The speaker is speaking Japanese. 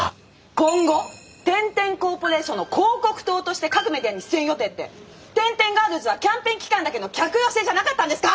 「今後天天コーポレーションの広告塔として各メディアに出演予定！」って天天ガールズはキャンペーン期間だけの客寄せじゃなかったんですか！